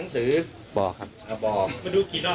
ผู้เล่นประโยชน์นี้มาไม่มีรัก